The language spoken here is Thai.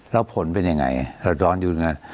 แล้วผลเป็นยังไง